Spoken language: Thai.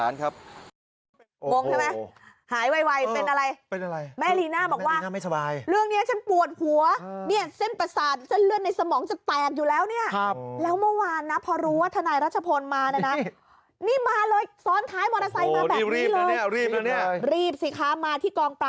ลงจากมอเตอร์ไซด์นะทนายราชพนธ์อยู่ไหน